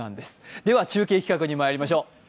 では中継企画にまいりましょう。